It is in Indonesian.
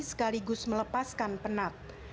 sekaligus melepaskan penat